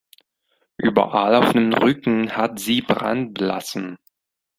Überall auf dem Rücken hat sie Brandblasen.